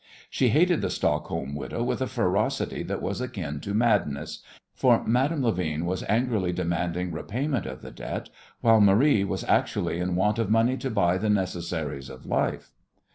She hated the Stockholm widow with a ferocity that was akin to madness, for Madame Levin was angrily demanding payment of the debt while Marie was actually in want of money to buy the necessaries of life.